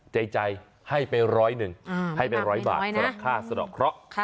ใจให้ไปร้อยหนึ่งให้ไปร้อยบาทสำหรับค่าสะดอกเคราะห์